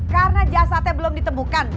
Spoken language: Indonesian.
karena jasadnya belum ditemukan